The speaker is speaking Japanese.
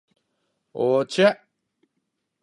お茶